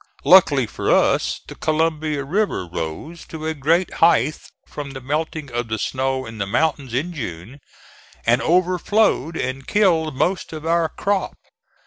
Luckily for us the Columbia River rose to a great height from the melting of the snow in the mountains in June, and overflowed and killed most of our crop.